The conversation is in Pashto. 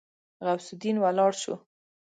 غوث الدين ولاړ شو.